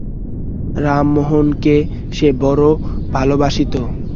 রামমােহনকে সে বড় ভালবাসিত।